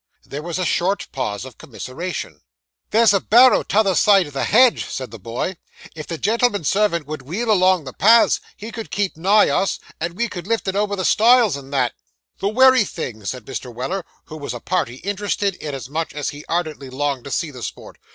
There was a short pause of commiseration. 'There's a barrow t'other side the hedge,' said the boy. 'If the gentleman's servant would wheel along the paths, he could keep nigh us, and we could lift it over the stiles, and that.' 'The wery thing,' said Mr. Weller, who was a party interested, inasmuch as he ardently longed to see the sport.